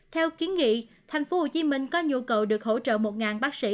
theo kiến nghị thành phố hồ chí minh có nhu cầu được hỗ trợ một bác sĩ